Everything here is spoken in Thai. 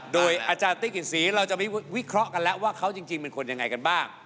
โดยอาจารย์ติ๊กศรีเราจะไปวิเคราะห์กันแล้วว่าเขาจริงเป็นคนยังไงกันบ้าง